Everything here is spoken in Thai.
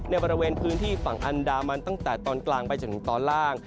ในบริเวณพื้นที่ฝั่งอันดามันตั้งแต่ตอนกลางไปจนถึงตอนล่าง